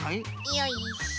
よいしょ。